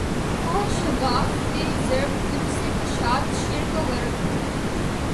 کوہ شگاف تیری ضرب تجھ سے کشاد شرق و غرب